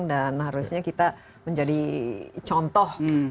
dan harusnya kita menjadi contoh